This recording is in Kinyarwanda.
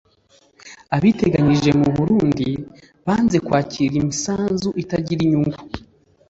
Abiteganyirije mu Burundi banze kwakira imisanzu itagira inyungu